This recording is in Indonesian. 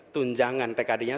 tunjangan tkd nya